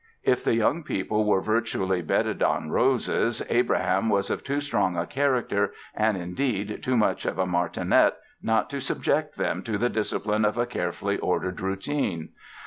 If the young people were virtually bedded on roses, Abraham was of too strong a character and, indeed, too much of a martinet not to subject them to the discipline of a carefully ordered routine.